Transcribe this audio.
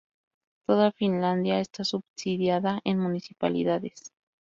Toda Finlandia está subdividida en municipalidades.